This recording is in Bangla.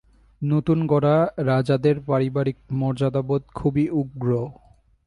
নতুন-গড়া রাজাদের পারিবারিক মর্যাদাবোধ খুবই উগ্র।